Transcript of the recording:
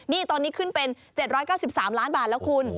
นี่ตอนนี้ขึ้นเป็น๗๙๓ล้านบาทแล้วคุณ